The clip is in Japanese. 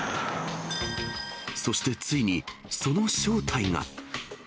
そして、ついにその正体が。